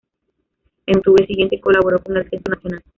En octubre siguiente colaboró con el censo nacional.